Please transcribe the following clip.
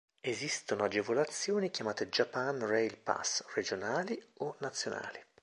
Esistono agevolazioni chiamate Japan Rail Pass regionali o nazionali.